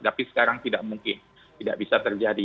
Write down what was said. tapi sekarang tidak mungkin tidak bisa terjadi